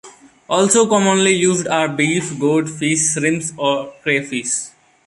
Also commonly used are beef, goat, fish, shrimps, or crayfish.